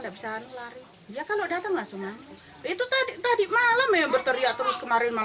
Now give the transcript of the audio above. bisa lari ya kalau datang langsung itu tadi tadi malam yang berteriak terus kemarin malam